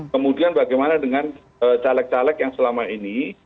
kemudian bagaimana dengan talek talek yang selama ini